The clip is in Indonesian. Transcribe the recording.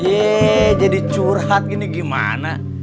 yeh jadi curhat gini gimana